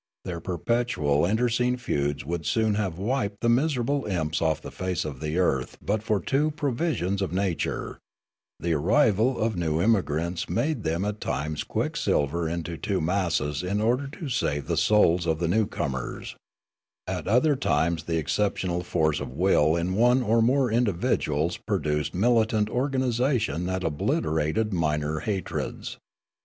Their perpetual internecine feuds would soon have wiped the miserable imps off the face of the earth but for two provisions of nature ; the arrival of new immigrants made them at times quicksilver into two masses in order to save the souls of the newcomers ; at other times the exceptional force of will in one or more individuals produced militant organisation that obliter ated minor hatreds.